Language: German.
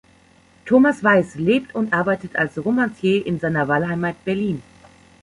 Thomas Weiss lebt und arbeitet als Romancier in seiner Wahlheimat Berlin.